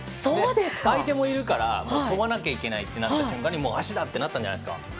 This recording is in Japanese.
相手もいるから跳ばなきゃいけないってなった瞬間に足だってなったんじゃないですか。